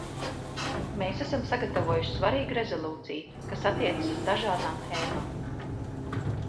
Mēs esam sagatavojuši svarīgu rezolūciju, kas attiecas uz dažādām tēmām.